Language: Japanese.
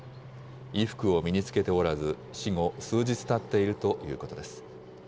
衣服を身につけておらず、死後数日たっているということです。